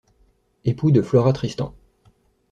Époux de Flora Tristan.